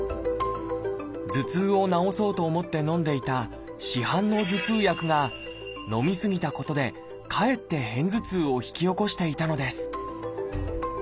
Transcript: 頭痛を治そうと思ってのんでいた市販の頭痛薬がのみ過ぎたことでかえって片頭痛を引き起こしていたのです。